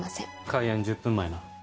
開演１０分前な。